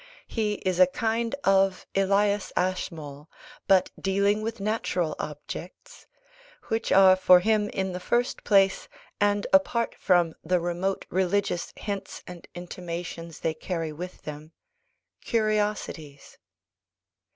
He is a kind of Elias Ashmole, but dealing with natural objects; which are for him, in the first place, and apart from the remote religious hints and intimations they carry with them, curiosities.